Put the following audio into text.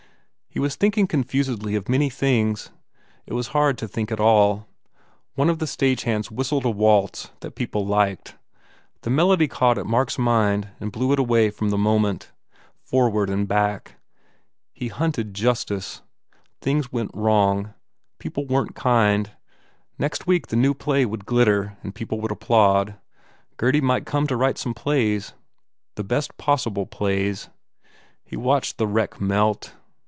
He was thinking confusedly of many things. It was hard to think at all. One of the stage hands whistled a waltz that people liked. The melody caught at Mark s mind and drew it away from the moment, forward and back. He hunted justice. Things went wrong. People weren t kind. Next week the new play would glitter and people would applaud. Gurdy 291 THE FAIR REWARDS might come to write plays, the best possible plays. He watched the wreck melt.